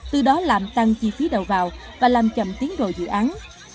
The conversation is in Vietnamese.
từ đó làm tăng chi phí đầu vào và làm chậm tiến độ dự án